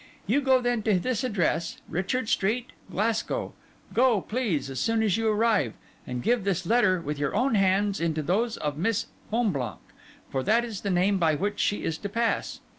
You go then to this address, Richard Street, Glasgow; go, please, as soon as you arrive; and give this letter with your own hands into those of Miss Fonblanque, for that is the name by which she is to pass.